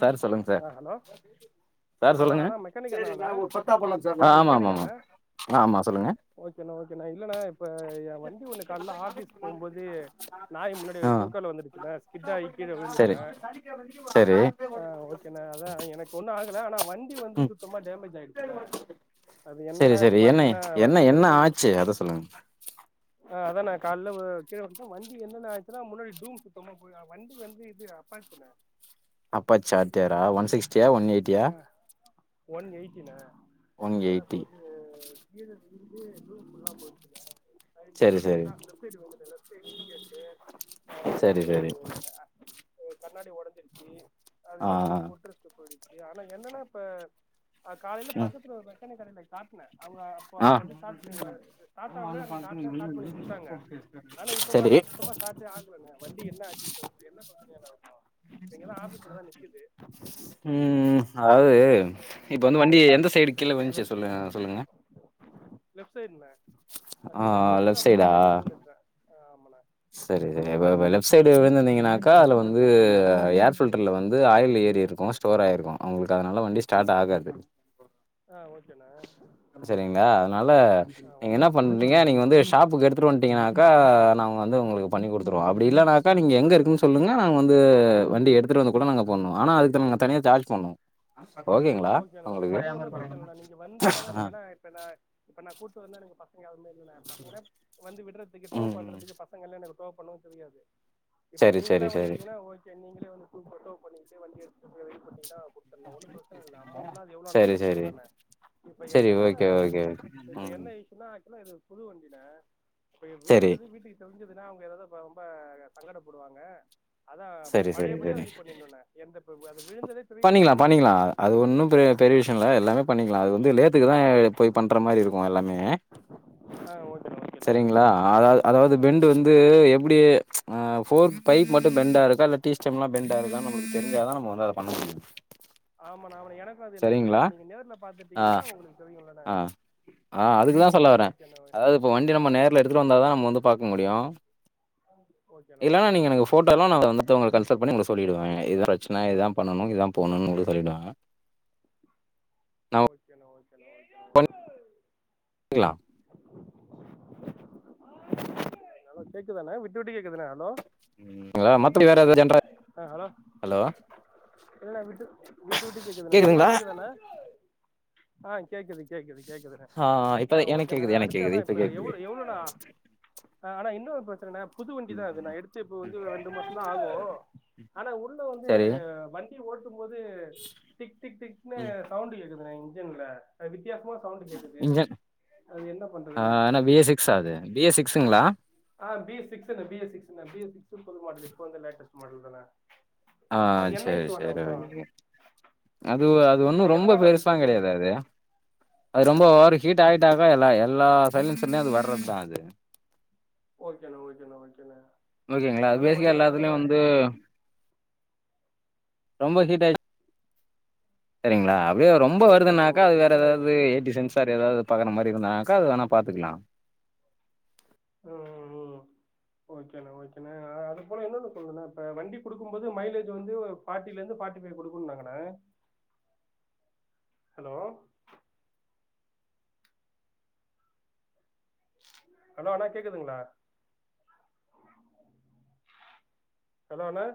Sir சொல்லுங்க sir அஹ் hello அஹ் சார் ஹலோ சொல்லுங்க அண்ணா மெக்கானிக் அண்ணாவான ஆ அண்ணா ஆமா ஆமா மெக்கானிக்க ஆமா அண்ண ஆ ஆமா சொல்லுங்க ஓகேண ஓகேண்ண இல்லண்ணா இப்ப என் வண்டி ஒண்ணு கால்ல ஆபீஸ் போகும் போது நாய் முன்னாடி ஆ குறுக்கால வந்துருச்சுண்ணா ஹிட்டாகி கீழே விழுந்துட்ட சரி சரி ஆஹ் ஓகேண்ணா அதான் எனக்கு ஒண்ணும் ஆகல ஆனா வண்டி வந்து ம் சுத்தமா டேமேஜ் ஆயிடுச்சுல்ல அது சரி என்னன்ன இப்ப சரி என்ன பாத்தீங்கன்னா என்ன வண்டி என்ன வந்து மு ஆச்சு அத சொல்லுங்க ஆஹ் அதான கால்ல கீழ வந்து வண்டி என்னென்ன ஆச்சுன்னா முன்னாடி டூம் சுத்தமா போய் வண்டி வந்து இது அப்பார்ட்டுண அப்பா சாடியராா ஒன் சிக்ஸ்டியா ஒன் எயிட்டியா ஆ ஒன் எயிட்டின [unintelligible] [unintelligible] ஒன் எயிட்டி சரி சரி சரி சரி [unintelligible] கண்ணாடி ஒடஞ்சு ஆ அதுகடுது ஃபுட்ரஸ்ட் [unintelligible] ஆனா என்னனா இப்ப அ காலில ஆ பக்கதுல ஒருதங் மெக்கானிக்கல் கடைல காட்ன அவ்ங்க அப்ப ஆ அப்ப வந்து ஸ்டார்ட் பண்ணிக்வாரு ஸ்டார்ட் ஆவ்ல அங்க காட்ன ஸ்டார்ட் பண்ணி கொடுத்தாங்க ஆனா இப்ப சரி பார்த்த சுத்தமா ஸ்டார்ட் ஆகல ண்ணா வண்டி என்ன ஆச்சு [unintelligible] ம். இங்கதா ஆபீஸ்ல தான் நிக்குது ம் அதாவாது இப்ப வந்து வண்டி எந்த சைடு கீழ விழுந்துச்சு சொல்லுங்க சொல்லங்க லெஃப்ட் சைடுண்ணே நா ஆ ஸ்ட்ரைட்டா போயிட்டு இருந்தே லெப்ட் அப்டியே சைடா லெஃப்ட் சைடுல விழுந்துட்டே ஆமாண்ணே சரி லெப்ட் சைடு விழுந்தீங்கன்னாக்கா அதுல வந்து இது ஏர் ஃபில்டர்ல வந்து ஆயில் ஏரி இருகு ஸ்டோர் ஆயிருகு உங்ளுகு அதனால வண்டி ஸ்டார்ட் ஆகாது ஆ ஓகேண்ணே செரிங்களா அதனால ஆ நீங்க ஓகே என்ன பண்றீங்க நீங்க வந்து ஷாப்புகு எடுத் எடுத் வண்ட்டினாக்கா நாங்க வந்து உங்ளுகு பண்ணி கொடுதுருவோ அப்டி இல்லனாகா நீங்க எங்க இருக்னு சொலுங்க நாங்க வந்து வண்டி எடுதுடு வந்து கூட நாங்க பண்ணுவோ ஆனா அதுக் நீங்க தனியா சார்ஜ் பண்ணு ஓகேனா ஓகே அது ஒண்ணு பிரசன இல்ல நீங்க வந்து அதான ஆ ஏனா இப்ப நா இப்ப நா கூட்டு வந்தா [unintelligible] [unintelligible] வந்து விட்றதுகு டோ ம், ம். பண்றதுகு பசங்களே டோ பண்ணவு தெரியாது இப்ப சரி, நீங்களா சரி, சரி. வன்ட்டீங்கனா ஓகே நீங்களே வந்து [unintelligible] டோ பண்ணிடு வண்டிய கொஞ்சொ வெயிட் பண்ணீங்னா [unintelligible] [unintelligible] அமௌண்ட்லா எவ்ளோ சரி, சரி. குடுதலான இப்ப சரி, என்னனா ஓகே, ஓகே, ஓகே. இப்ப ம். என்ன இசுசூ இதுனா ஆக்சுவலா புது வண்டின இப்ப சரி. விழுந்தது வீட்டுகு தெரிஞ் இதுனா அவுங்க ஏதாவ்து ரொம்ப சங்கட படுவாங்க அதா சரி, சரி, பழையபடி சரி. ரெடி பண்ணிணுன எந்தப் அது விழுந்ததே தெரிய கூடாது இன்னு பெரிய பெரிவிஷ்யுலா எலாமே பண்ணிகலா அது வந்து லேத்குதா இப் இப்பன்ற மாரி இருகு எல்லாமே ஆ ஓகேண்ணா ஓகேண்ணா செரிங்ளா அதாவ் அதாவ்து பெண்டு வந்து எப்டி ச்சு ஃபோர் ஃபைவ் பெண்டா இருகு இல்ல டீஸ்டெம்லா‌ பெண்டா இருகானு தெரிஞ்சாதா நம்ம வந்து அத பண்ண முடியு ஆம் ப்ப நா வந் செரிங்களா ஆ உங்களுக்கு தெரியும்லண்ணா ஆஹ் ஆஹ் அதுக்கு தா சொல்ல வரே ஓகேண்ணா அதாவது இப்போ வண்டி ஆ ஆ நம்ம நேர்ல எடுத்துட்டு வந்தா தா நம்ம வந்து பாக்க முடியு ஓகேண்ணா இல்லலன்னா ஓகேண்ணா நீங்க எனக்கு போட்டோலா நா வந்துட்டு உங்களுக்கு கன்சல்ட் பண்ணி உங்க சொல்லிடுவே ஏ இதுதா பிரச்சனை இததான் பண்ணணும் இததான் போட்ணும்னு சொல்லிடுவாங்க ஓகேண்ண ஓக் [inaudible] [unintelligible] ஹலோ கேக்குதாணே விட்டு விட்டு கேக்குதுணே ஹலோ ம். மத்தபடி வேற ஏதாவது ஜென்ரல் ஆஹ் ஹலோ ஹலோ இல்ண்ண விட்டு விட்டு விட்டு கேக்குதுண்ணே தெளிவா கேக்குதுங்களா? கேக்குதாண்ண ஆஹ் கேக்குது கேக்குது கேக்குதுண ஆ இப்ப ஆஹ் எனக்கு ஓகேண்ண கேக்குது எனக்கு அடுத்து கேக்குது அதா இப்ப கேக்குது எவ்ளவு எவ் ளோணா ஆ அண்ணா இன்னோரு பிரச்சனணே புது வண்டி தா அது நா எடுத்து இப்ப வந்து ரெண்டு மாசந்தா ஆகு ஆனா உள்ள வந்து சரி வண்டி ஓட் த்தும் போது டிக் டிக் டிக்னு சவுண்டு கேக்குது அ இன்ஜின்ல வித்தியாசமா சவுண்டு கேக்குது இங்க அது என்ன பண்றதுன்னு ஆஹ் ஆனா பிஏ சிக்ஸா ஆது பிஏ சிக்ஸுங்களா ஆஹ் பி சிக்ஸுண்ண பி எஸ் சிக்ஸுண்ண [unintelligible] இப்ப வந்த லேட்டஸ் மாடல் தாண்ண ஆஹ் செரி செரி ஓகே அது அ அது இல்ல ஒன்னும் ரொம்ப எதனால அப்டி பெருசுலா கேக்கும் கிடையாது அது ஆ அது ரொம்ப ஓவர் ஹீட் ஆயிட்டாதா ல எல்லா சைலன்சர்லயு அது வர்றத் தா அது ஓகேண்ண ஓகேண்ண ஓகேண்ண ஓகேங்ளா பேசிக்கா எல்லாத்துலயு வந்து ரொம்ப ஹீட் ஆயி செரிங்ளா [unintelligible] ரொம்ப ஓகேண்ணா வருதுனாக்கா அது ஓகேண்ணா வேற அதா எதாவது ம் ஏ டி சென்ஸார் எதாவது பாக்கற மாரி இருந்னாக்கா அது வேணா பாத்துக்கலா உஹம் உ ஓகேணா ஓகேண அது போல என்னன்னு சொல்னுண இப்ப வண்டி குடுக்கும் போது மைலேஜ் வந்து பாட்டில இருந்து பார்டிவை குடுக்குனாங்கண ஹலோ ஹலோ அண்ணா கேக்குதுங்ளா ஹலோண்ணே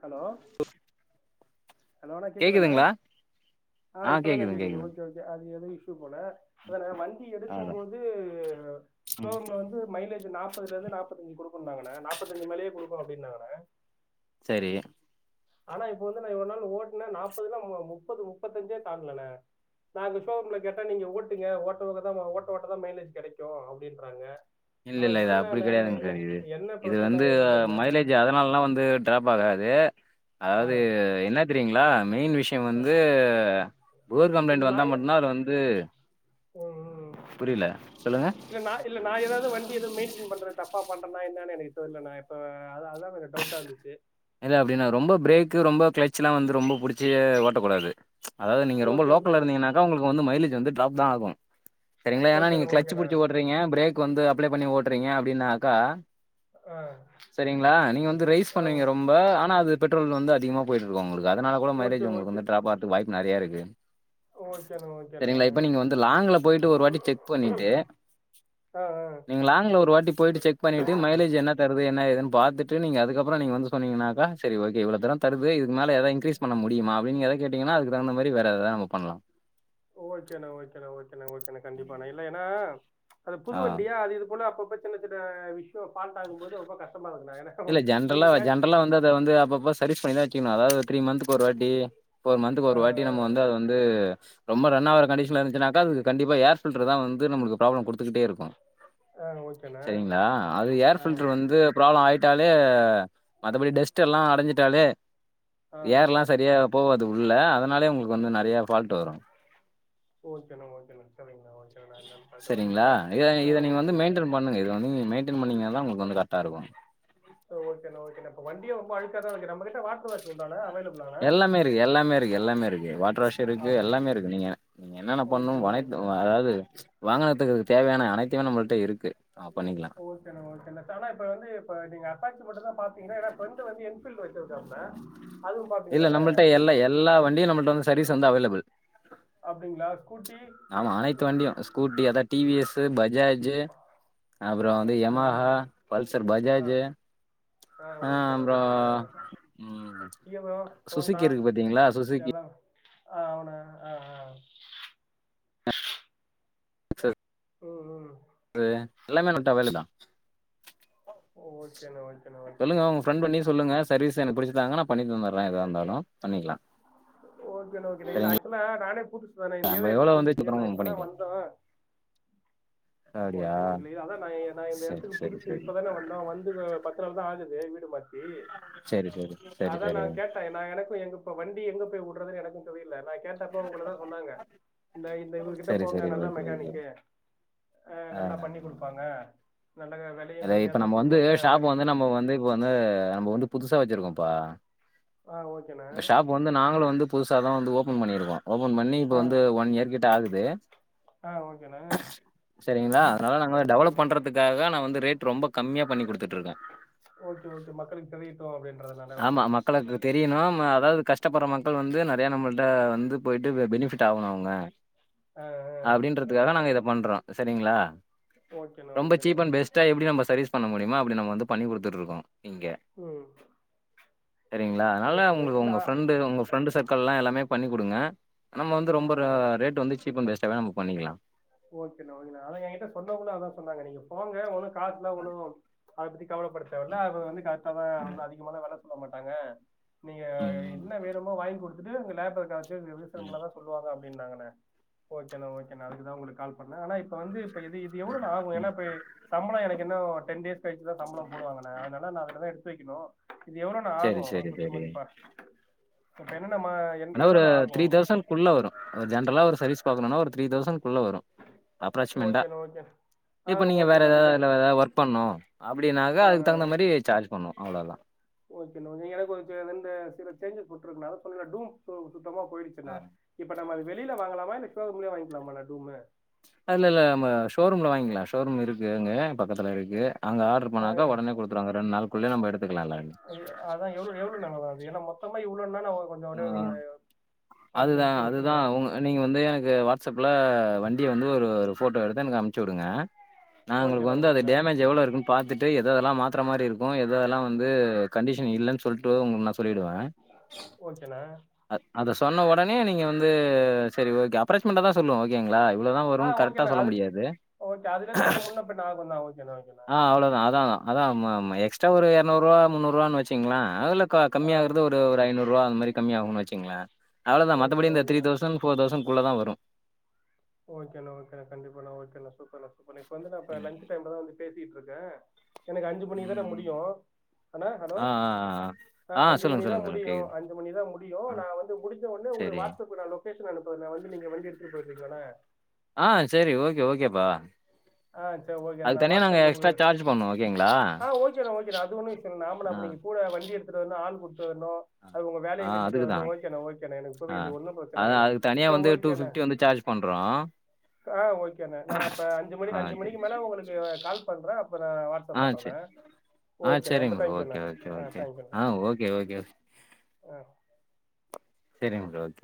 ஹலோ அலோ அண்ணா கேக்குதுாண கேக்குதுங்களா ஆ ஆஹ் இப்பதாண கேக்குதுங்க கேக்குது கேக்குதுங்க ஓகே ஓகே ஏதோ இஷு போல அதாண வண்டி எடுக்கும் அதா போது ஷோரூம்ல வந்து மைலேஜ் நாப்பதுலெந்து நாப்பதஞ்சு குடுக்குணாங்ககண்ண நாப்பதஞ்சு மேலே குடுக் அப்படினாங்கண செரி ஆனா இப்ப வந்து நா ஒரு நாள் ஓட்டுன நாப்பதுல மு முப்பது முப்பத்தஞ்சே தான்டலண நா அங்க ஷோரூம்ல கேட்டா நீங்க ஓட்நீங்க ஓட்னதாலதா ஓட்ட ஓட்ட தா மைலேஜ் கெடைக்கு அப்படின்றாங்க இல்ல இல்ல இது அப்டி கெடையாதுங் சார் இது என்ன இது பிரச்சன வந்து எதுன்னு தெர்ல மைலேஜ் அதனாலலா வந்து ட்ராப் ஆகாது ஆ அது என்ன தெரியு ங்களா மெயின் விஷ் விஷயோ ஆ வந்து போர் கம்ப்ளைண்ட் வந்தா மட்டுதா அது வந்து ம்ம் ம் புரியல சொல்லுங்க இல்ல நா இல்ல நா ஏதாவது வண்டி எது மெயின்டெய்ன் பண்றது தப் தப்பா பண்றேனா என்னனு எனக்கு இது தெர்லணா இப்ப அதா அதா எனக்கு டவுட்டா இருந்துச்சு இல்ல அப்டினா ரொம்ப பிரேக் ரொம்ப கிளச்லா வந்து ரொம்ப புடுச்சி ஓட்டக் கூடாது ம்ச் அதாவது நீங்க ரொம்ப ஓகே ஓகே லோக்கல இருந்தீகனாக்க உங்களுக்கு வந்து மைலேஜ் வந்து டிராப் தா ஆகு சரிங்களா ஏன்னா நீங்க ஓகேண்ணா கிளச் ஓகேண்ணா புடுச்சு ஓட்டுறீங்க பிரேக் க்கு வந்து அப்ளே பண்ணி ஓட்டுறீங்க அப்டினாக்கா ஆ சரிங்களா நீங்க வந்து ரைஸ் ஆமா பண்ணுவீங்க ரொம் ப்ப ஆனா அது பெட்ரோல் வந்து அதிகமா போயிட்ருக்கு உங்களுக் கு அதனால கூட ஓகே மைலேஜ் ஓகே உங்களுக்கு டிராப் ஆகுறதுக்கு வாய்ப் நெறைய இருக்கு ஓகேண்ணா ஓகேண்ணா சரிங்களா இப்ப நீங்க வந்து லாங்ல போயிட்டு ஒரு வாட்டி செக் பண்ணிட்டு ஆ ஆ நீங்க லாங்ல ஒரு வாட்டி போயிட்டு செக் பண்ணிட்டு மைலேஜ் என்ன தருத் போய் என்ன ஏதுன்னு பாத்துட்டு நீங்க அதுக்கப்பறோ நீங்க வந்து ஸ் சொன்னீங்கனாக்கா சரி ஓகே இவ்ளோ தூரோ தருது இதுக்கு மேல ஏதோ இன்கிரீஸ் பண்ண முடியமா அப்டினு எத கேட்டீங்கனா அதுக்குதகுந்த மாரி வேற ஏதா நம்ப பண்ணலா ஓகேண்ண ஓகேண்ண ஓகேண்ண ஓகேண்ண கண்டிப்பாணே இல்ல ஏன்னா ம்ச் அது ஆ புதுவண்டியா அது இது போல அப்பப் இப்ப சின்ன சின்ன விஷ்யோ ஃபால்ட ஆகும்போது ரொம்ப கஷ்டமா இருக்கு இல்ல ஜென்ரலா ஜென்ரலா வந்து அத வந்து அப்பப்ப சர்வீஸ் பண்ணிதா வச்சுக்கணு அதாவது த்ரீ மந்துகு ஒரு வாட்டி ஃபோர் மந்துகு ஆ ஒரு வாட்டி நம்ம வந்து அத வந்து ரொம்ப ரன் ஆவுற கண்டிஷன்ல இருந்துச்சுனாக்க அது கண்டிப்பா ஏர் ஃபில்டர்தா நம்மளுக்கு ப்ராப்ளோ குடுக்கிட்டே இருக்கு ஆ ஓகேண்ணா சரிங்களா அது ஏர் ஆ ஃபில்டர் வந்து ப்ராப்ளோ ஆய்ட் ட்டாலே மத்தபடி டெஸ்ட் எல்லா அடஞ்சுட்டாலே ஆ ஆ ஏர்லா சரியா போவாது உள் உள்ள அதனாலே உங்களுக்கு வந்து நெறைய ஃபால்ட் வரு ஓகேண்ணா ஓகேண்ணா சரிங்கண்ணா ஓகேண்ணா என்னன்னு பார்க்குறேன் சரிங்களா இப்போ இத ஆ இத நீங்க வந்து ஓகேண்ணா மெயின்டென் பண்ணுங்க இத வந்து நீ மெயின்டென் பண்ணுங்கனா தா உங்களுக்கு வந்து கரெக்ட் தருவாங் ம் ஓகேண்ணே ஓகேண்ணே இப்ப வண்டியு ரொம்ப அழுக்காதா இருக்கு நம்பகிட்ட வாட்டர் வாஷ் உண்டாண அவைல் எல்லாமே இருக்கு எல்லாமே இருக்கு எல்லாமே இருக்கு வாட்டர் வாஷ் இருக்கு அப்படி எல்லாமே இருக்கு நீங்க நீங்க என்னென்ன பண்ணு ஓகேண்ணா வனைத் ஓகேண்ணா அதாவது ம்ச் வாகனத்துக்கு தேவையான அனைத்துமே நம்மள்ட இருக்கு ஆ பண்ணிக்கலா ஓகேண்ணே ஓகேண்ணே தல இப்ப வந்து இப்ப நீங்க [unintelligible] தா பாப் என்னோட ஃப்ரண்டு வந்து என்ஃபீல்டு வச்சிருந்தாப்ல இல்ல நம்மள்ட்ட எல்ல எல்லா வண்டியு நம்மள்ட வந்து சர்வீஸ் வந்து அவைலபுள் அப்படிங்களா ஸ்கூட்டி ஆமா அனைத்து வண்டியு ஸ்கூட்டி எத டிவிஎஸு பஜாஜ் ஜு அப்புறம் வந்து யமாஹா ஆ பல்சர் பஜாஜு ஆ ஓகேண்ணா ஓகேண்ணா அப்றம் ம் ஹீரோ சுசிகி இருக்கு பாத்தீங்களா சுசிகி ஆமாண ஆ செரி ம் ம் ரி எல்லாமே நட்ட வேலிதா ஓகேண்ணா ஓகேண்ணா ஓகேண்ணா சொல்லுங்க உங்க ஃப்ரெண்ட் பண்ணி சொல்லுங்க சர்வீஸ் எனக்கு புடிச்சுதாங்க நா பண்ணி தந்துற ஏதா இருந்தாலு பண்ணிக்லா ஓகேணா ஓகேணா இல்ல ஆக்சுலா நானே புதுசுதா நா நம்ம இந்தியேவே பு எவ்வளோ வந்துச்சு புதுசுதா நா அப்புறமா இப்பதா பண்ணிக்கலா வந்தோ அப்டியா ஓகேணா இலியா அதா நா இந் நா இந்த சரி எடத்துக்கு சரி புதுசு சரி இப்பதாணா வந்தோ வந்து பத்து நாள்தா ஆவுது இது [unintelligible] செரி சரி சரி சரி அதா நா சரி கேட்ட ஏனா எனக்கும் எங்க இப்ப வண் ண்டிய எங்க போய் உடுறது எனக்கும் தெரில இல்ல நா கேட்டப்போ உங்களதா சொன்னாங்க இந்த இந்த இவகிட்ட சரி போங்க சரி நல்லா ஓகே ஓகே மெக்கானிக்கு ஆ நல்லா பண்ணி குடுப்பாங்க அது இப்ப நம்ம வந்து ஷாப்பு வந்து நம்ம வந்து இப்ப வந்து நம்ப வந்து புதுசா வெச்சிருக்கோம்ப்பா ஆ ஓகேண்ணே இப்ப ஷாப்பு வந்து நாங்களு வந்து புதுசாதா வந்து ஓபன் பண்ணிருக்கோ ஓபன் பண்ணி இப்ப ஆ வந்து ஒன் இயர் கிட்ட ஆகுது ஆ ஓகேண்ணே சரிங்க்ளா அதால நாங்க டெவலப் ம் பண்றதுக்காக நா வந்து ரேட் ரொம்ப கம்மியா பண்ணி குடுத்துட் இருக்க ஓகே ஓகே மக்களுக்கு தெரியட்டும் அப்படின்றதுனால ஆமா மக்களுக்கு தெரியணு ம் அ அதாது கஷ்டப்படுற மக்கள் வந்து நெறையா நம்மள்ட்ட வந்து போயிட்டு பெ பெனிஃபிட் ஆவணு அவுங்க ஆ ஆ அப்டீன்றதுக்காக நாங்க இத பண்றோ செரிங்க்ளா ஓகேண்ண ஓகேண்ண எப்டி நம் சர்விஸ் பண்ண முடியமோ அப்டி நம்ம வந்து பண்ணி குடுத்துட்டு இருக்கோ ம் செரிங்ளா அதுனால ஓகேண்ணே உங்ளுக்கு இல்லை உங்க ஃப்ரெண்டு உங்க ஃப்ரெண்டு் சர்க்கள்லா எல்லாமே பண்ணி குடுங்க நம்ம வந்து ரொம்ப ர ரேட்டு வந்து சீப்பன் பெஸ்ட்டாவே நம்ம பண்ணிக்லா ஓகேணா ஓகேணா ஆனா ஏங்கிட்ட சொன்னவங்களு அதா சொன்னாங்க நீங்க போங்க ஒன்னு காசுலா ஒன்னு அதப் பத்தி கவலப்படத் தேவல்ல அவ வந்து கரெக்ட்டாதா வந்து அதிகமான வெ ல சொல்லமாட்டாங்க நீங்க ம், ம், என்ன வேணுமோ வாய்ங்குடு துட்டு இந்த லேபர் கா [unintelligible] ம், தா சொல்லுவாங்க அப் இருந்தாங்கண்ண ஓகேண ஓகேண அதுக்குதா உங்களுக் கால் பண்ண ஆனா இப்ப வந்து இப்ப இது இது எவ்ளோண ஆகு ஏன்னா ம். இப்ப சம்பளொ எனக் இன்னு டென் டேஸ் கழிச்சிதா சம்பளொ போடுவாங்கண அனால நா அதுலதா எடுத்து வெக்கெணு இது எவ்ளோண்ண ஆகு சரி, சரி, குத்து மதிப்பா ப டென் என்ன ஒரு த்ரீ தௌசண் குள்ள வரு ஒரு ஜென்ரலா ஒரு சர்வீஸ் பாக்கனுனா ஒரு த்ரீ தௌசண் குள்ள வரு அப்ராக்சிமென்டா ஓகேண்ணா ஓகேண்ணா ஆ இப்ப நீங்க ஓகேண்ணா வேறெதாதா விஜய் இல்ல வேற எதா ஒர்க் பண்ணு அப்டினாக்கா ஆ அதுக்கு ஆ, தகுந்த மாரி சார்ஜ் பண்ணு அவ்ளோதா ஓகேண்ணா இருக்குன சொல்லிர்ற டூம்ஃபு சுத்தமா போயிடுச்சிண்ண இப்ப நம்ம அது வெளில வாங்கலாமா இல்ல இப்பவே உங்லயே வாய்ங்க்கிலாமாண டூமு இல்ல இல்ல நம்ம ஷோரூம்ல வாய்ங்கிங்ல ஷோரூம் இருக்கு அங்க பக்கத்துல இருக்கு அங்க ஆட்ரு டூமு பண்ணாக்க ஒடனே குடுத்துருவாங்க ரெண் நாள்க்குள்ளயே நம்ப எடுத்துக்லா எல்லாமே [unintelligible] இவ்ளோ ஆஹ் பார்த்து அதுதா எடுத்து அதுதா வச்சிருவேன் உங்க நீங்க வந்து எனக்கு வாட் சப்ல வண்டிய வந்து ஒரு ஒரு ஃபோட்டோ எடுத்து எனக்கு அம்ச்சி உடுங்க நா உங்ளுக்கு ஓகேண்ணா வந்து அத ஓகேண்ணா டேமேஜு எவ்ளோ இருக்குன் பாத்துட்டு எத் எததெல்லா மாத்ர மாறி இருக்கு எதல்லா வந்து கண்டிஷன் இல்லன் சொல்ட்டு உங்ளு நா சொ சொல்லிடுவ ஓகேண்ணா அத் அதஸ் சொன்ன ஒடனே நீங்க வந்து சரி ஓகே அப்ராக்சிமென்ட்டா தா சொல்லுவ ஓகேங்களா இவ்ளோதான் ஆ வரும்னு கரெக்ட்டா ஓகேன்ன சொல்ல அது முடியாது. ஓகே அதுலேந்து கொஞ்சம் முன்னப்பின்ன ஆகுந்தான் ஓக் ஆ அவ்ளோ தான் அதான் அதான் ம ம எக்ஸ் ட்ரா ஒரு இரநூறுவா முன்னூறுவான்னு வச்சுங்கள அதுல க ஆ கம்மிய ஆகுறது ஒரு ஐநூறு ரூவா அந்த மாரி கம்மி ஆகும்னு வச்சுங்களன் அவ்ளோதான் மத்தப்படி ஓகேண்ணா இந்த த்ரீ ஓகேண்ணா தௌசண்ட் ஃபோர் தௌசண்ட் குள்ள தான் வரும் ஓகேனா ஓகேனா கண்டிப்பானா ஓகேனா சூப்பர்னா [unintelligible] வந்து நம்ம ம். லன்ச் டைம்லதான் வந்து பேசிட்டு இருக் கேன் எனக்கு அஞ்சு மணிக்கு தான ம். முடியு அண்ண ஹலோ ஆ, ஆ, அ ஆ. ஆ அஞ்சு மணி சொல்லுங்க, தான் சொல்லுங்க, சொல்லுங்க முடியு கேக்குது. அஞ்சு மணி தான் முடியு ஆ. நான் வந்து முடிஞ்ச உடனே உங்களுக்கு சரி. வாட்ஸ்அப் ல லொகேஷன் அனுப் கொஞ்ச வந்து நீங்க வண்டி எடுத்து போயிட்ரீங்களான்ன ஆ செரி ஓகே ஓகேப்பா ஆ செரி ஓகேனா நா அதுக்கு தனியா நாங்க வாட்ஸ்அப் ஒங்களு எக்ஸ்ட்ரா சார்ஜ் பண்ணுவோம். ஓகேங்களா? ஆஹ் ஓகேனா ஓகேனா அது ஒண்ணும் விஷயம் இல்ல நாம ஆ. அப்பங்க கூட வண்டி எடுத்துட்டு வந்து ஆள் பு ஆ. [unintelligible] அது உங்க ஆ வேலையை விட்டுட்டு அதுக்கு வரனும் தான். ஓகேன ஓகேன எனக்கு ஆ. புரியுது ஒன்னும் பிரச்சனை அதான் இல்லன்ன அதுக்கு தனியா சரி வந்து ஓகேன வந்து சார்ஜ் பண்றோம். ஆஹ் ஓகேன நா அப்ப அஞ்சு மணி ஆ அஞ்சு சரி. மணிக்கு மேலே உங்களுக்கு கால் பண்ற அப் நம்பர வாட்ஸ்அப் ஆ பண்றேன்ன சரி. ஆ ஓகேன ரொம்ப சரிங்க ப்ரோ. தேங்கயூண்ண ஓகே, ஓகே, ஆ ஓகே. ஆ தேங்கயூண்ண ஓகே, ஓகே. செரிங்க சார் ஓகே